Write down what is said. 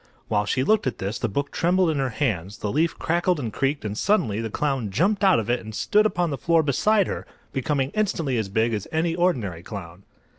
While she looked at this the book trembled in her hands, the leaf crackled and creaked and suddenly the clown jumped out of it and stood upon the floor beside her, becoming instantly as big as any ordinary clown.